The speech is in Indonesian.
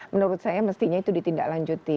menurut saya mestinya itu ditindaklanjuti